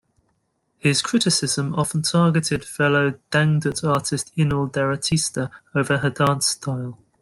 His criticism often targeted fellow dangdut artist Inul Daratista over her dance style.